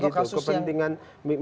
ada misalnya ada potensi begitu